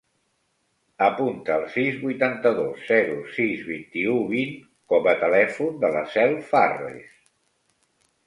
Apunta el sis, vuitanta-dos, zero, sis, vint-i-u, vint com a telèfon de la Cel Farres.